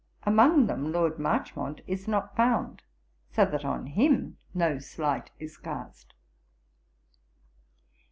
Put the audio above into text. Among them Lord Marchmont is not found, so that on him no slight is cast.